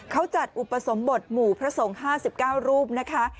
เขาจัดอุปสมบทหมู่พระสงฆ์๕๙รูปนะคะ